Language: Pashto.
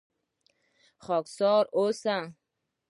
خاکسار اوسئ